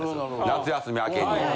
夏休み明けに。